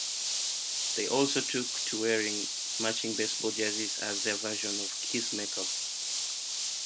They also took to wearing matching baseball jerseys as their version of Kiss' make-up.